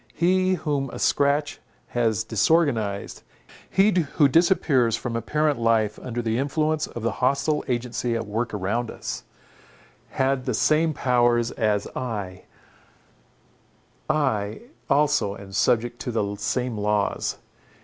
He whom a scratch has disorganized, he who disappears from apparent life under the influence of the hostile agency at work around us, had the same powers as I—I also am subject to the same laws.